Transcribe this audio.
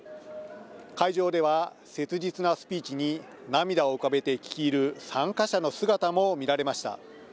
会場では、切実なスピーチに涙を浮かべて聞き入る参加者の姿も見られました。